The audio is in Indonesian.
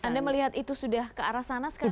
anda melihat itu sudah ke arah sana sekarang